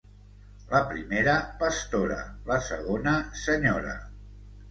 La primera, pastora; la segona, senyora.